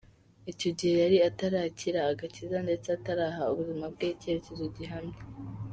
Icyo gihe yari atarakira agakiza ndetse ataraha ubuzima bwe icyerekezo gihamye.